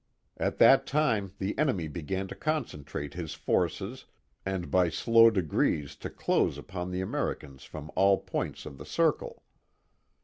At that time the enemy began to concentrate his forces and by slow degrees to close upon the Americans from all points of the circle.